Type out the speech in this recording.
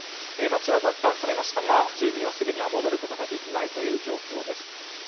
街は奪還されましたが住民は、すぐには戻ることができないという状況です。